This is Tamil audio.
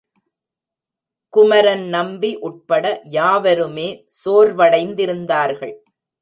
குமரன்நம்பி உட்பட யாவருமே சோர்வடைந்திருந்தார்கள்.